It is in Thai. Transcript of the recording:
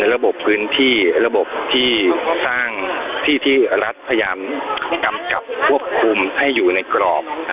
ระบบพื้นที่ระบบที่สร้างที่ที่รัฐพยายามกำกับควบคุมให้อยู่ในกรอบ